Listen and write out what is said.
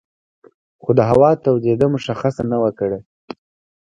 خو د هوا تودېدو مشخصه نه وه کړې